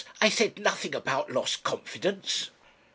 I said nothing about lost confidence!'